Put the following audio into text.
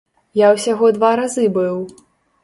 Я ўсяго два разы быў.